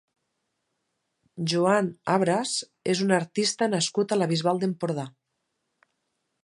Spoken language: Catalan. Joan Abras és un artista nascut a la Bisbal d'Empordà.